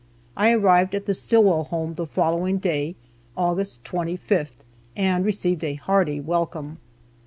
I arrived at the Stillwell home the following day, August 25th, and received a hearty welcome.